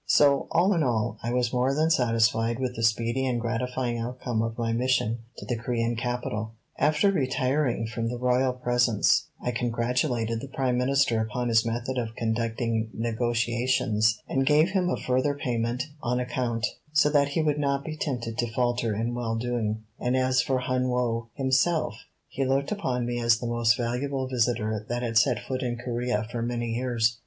So, all in all, I was more than satisfied with the speedy and gratifying outcome of my mission to the Corean capital. After retiring from the royal presence I congratulated the Prime Minister upon his method of conducting negotiations and gave him a further payment on account, so that he would not be tempted to falter in well doing; and as for Hun Woe himself he looked upon me as the most valuable visitor that had set foot in Corea for many years.